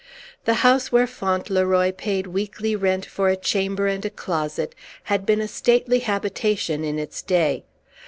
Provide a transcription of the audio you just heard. The house where Fauntleroy paid weekly rent for a chamber and a closet had been a stately habitation in its day.